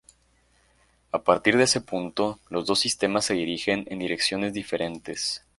A partir de ese punto, los dos sistemas se dirigen en direcciones diferentes.